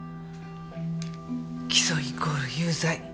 起訴イコール有罪。